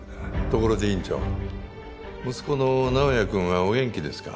ところで院長息子の直哉くんはお元気ですか？